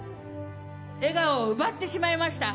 笑顔を奪ってしまいました。